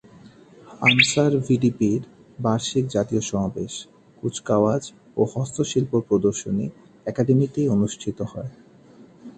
Answer ভিডিপির বার্ষিক জাতীয় সমাবেশ, কুচকাওয়াজ ও হস্তশিল্প প্রদর্শনী একাডেমিতেই অনুষ্ঠিত হয়।